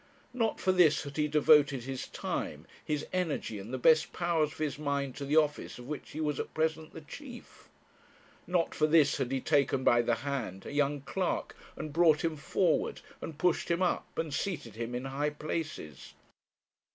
Not for this had he devoted his time, his energy, and the best powers of his mind to the office of which he was at present the chief; not for this had he taken by the hand a young clerk, and brought him forward, and pushed him up, and seated him in high places.